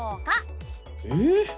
えっ？